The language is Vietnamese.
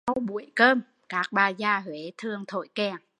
Sau buổi cơm, các bà già Huế thường thổi kèn